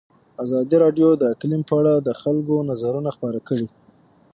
ازادي راډیو د اقلیم په اړه د خلکو نظرونه خپاره کړي.